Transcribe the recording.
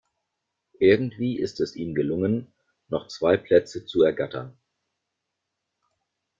Irgendwie ist es ihm gelungen, noch zwei Plätze zu ergattern.